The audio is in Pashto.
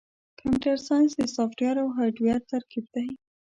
کمپیوټر ساینس د سافټویر او هارډویر ترکیب دی.